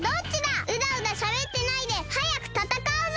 うだうだしゃべってないではやくたたかうぞ！